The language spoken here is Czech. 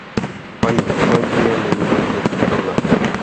Paní poslankyně není bohužel přítomna.